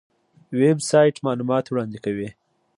ویب سایټ معلومات وړاندې کوي